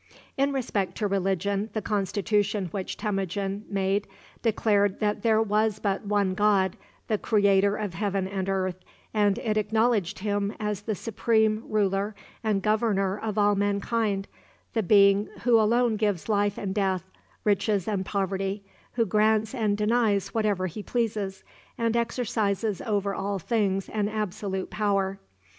In respect to religion, the constitution which Temujin made declared that there was but one God, the creator of heaven and earth, and it acknowledged him as the supreme ruler and governor of all mankind, the being "who alone gives life and death, riches and poverty, who grants and denies whatever he pleases, and exercises over all things an absolute power."